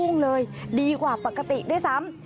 ยอดภูมิเลยดีกว่าปกติด้วยซ้ำ